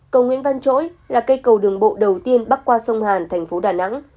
cầu nguyễn văn chỗi là cây cầu đường bộ đầu tiên bắc qua sông hàn thành phố đà nẵng